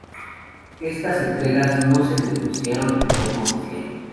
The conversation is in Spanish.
Estas entregas no se negociaron de forma oficial.